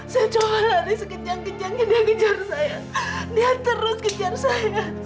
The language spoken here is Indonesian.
saya coba lari sekejang kejang dia kejar saya dia terus kejar saya saya takut